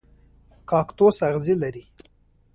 کاکتوس اغزي لري